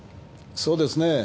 そうですね。